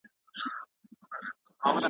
ولاړم بندیوانه زولنې راپسي مه ګوره `